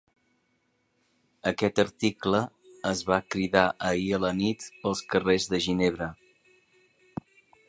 Aquest article es va cridar ahir a la nit pels carrers de Ginebra.